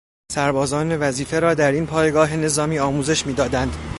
سربازان وظیفه را در این پایگاه نظامی آموزش میدادند.